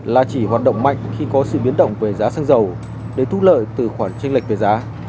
là chỉ hoạt động mạnh khi có sự biến động về giá xăng dầu để thu lợi từ khoản tranh lệch về giá